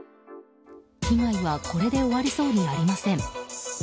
被害はこれで終わりそうにありません。